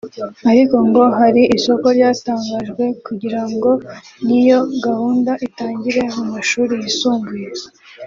ariko ngo hari isoko ryatangajwe kugira ngo n’iyo gahunda itangire mu mashuri yisumbuye